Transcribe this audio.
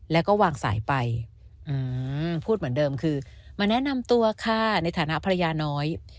แล้วก็วางสายไปพูดเหมือนเดิมคือมาแนะนำตัวค่ะในฐานะภรรยาน้อย